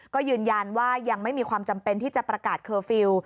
ก็ยืนยันว่ายังไม่มีความจำเป็นที่จะประกาศเคอร์ฟิลล์